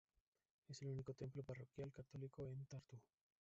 Es el único templo parroquial católico en Tartu.